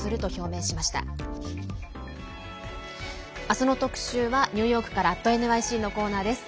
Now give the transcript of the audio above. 明日の特集はニューヨークから「＠ｎｙｃ」のコーナーです。